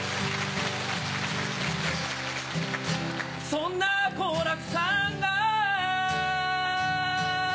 そんな好楽さんが